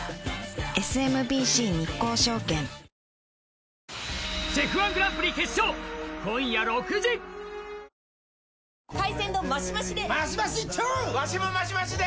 ＳＭＢＣ日興証券海鮮丼マシマシで！